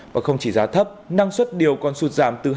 và không chỉ giá thấp năng suất điều còn sụt giảm từ hai mươi